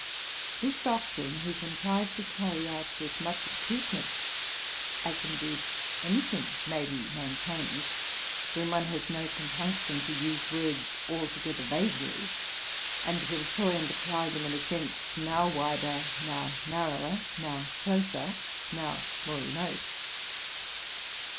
This doctrine he contrived to carry out w ith much acuteness ; as, indeed, any thing may be maintained when one has no compunction to use words altogether vaguely, and to employ and apply them in a sense now wider, now nar rower, now closer, now more remote.